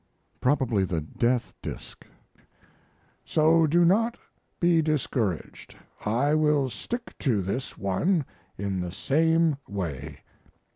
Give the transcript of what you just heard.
[Probably "The Death Disk:"] So do not be discouraged; I will stick to this one in the same way.